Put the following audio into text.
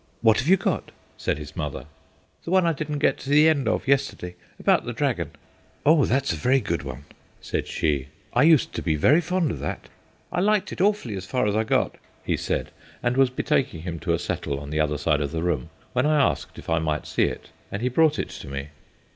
"What have you got?" said his mother. "The one I didn't get to the end of yesterday, about the dragon." "Oh, that's a very good one," said she. "I used to be very fond of that." "I liked it awfully as far as I got," he said, and was betaking himself to a settle on the other side of the room when I asked if I might see it, and he brought it to me.